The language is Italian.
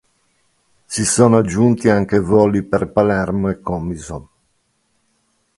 Si sono aggiunti anche voli per Palermo e Comiso.